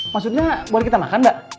maksudnya boleh kita makan nggak